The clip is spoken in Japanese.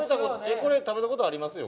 これ食べたことありますよ